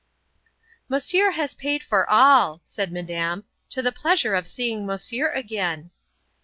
"Monsieur has paid for all," said Madame. "To the pleasure of seeing Monsieur again."